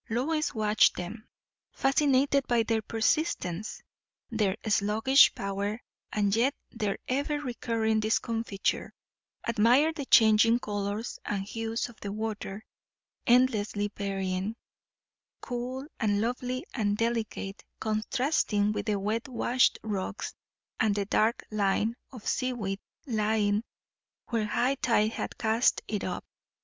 Lois watched them, fascinated by their persistence, their sluggish power, and yet their ever recurring discomfiture; admired the changing colours and hues of the water, endlessly varying, cool and lovely and delicate, contrasting with the wet washed rocks and the dark line of sea weed lying where high tide had cast it up.